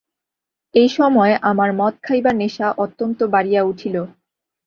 এইসময় আমার মদ খাইবার নেশা অত্যন্ত বাড়িয়া উঠিল।